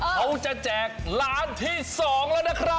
เขาจะแจกล้านที่๒แล้วนะครับ